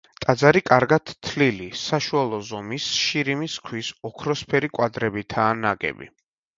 ტაძარი კარგად თლილი, საშუალო ზომის შირიმის ქვის ოქროსფერი კვადრებითაა ნაგები.